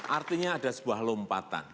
artinya ada sebuah lompatan